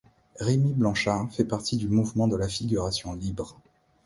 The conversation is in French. Rémi Blanchard fait partie du mouvement de la Figuration libre.